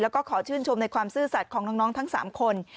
แล้วก็ขอชื่นชมในความซื่อสัตว์ของน้องทั้ง๓คน